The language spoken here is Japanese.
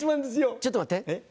ちょっと待って。